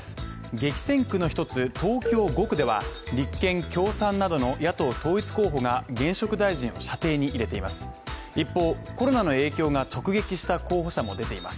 激戦区の一つ東京５区では立憲共産などの野党統一候補が現職大臣を射程に入れています。